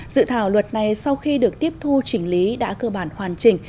dự thảo luật này sau khi được tiếp thu chỉnh lý đã cơ bản hoàn chỉnh